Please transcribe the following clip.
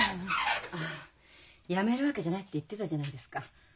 あっ「やめるわけじゃない」って言ってたじゃないですか。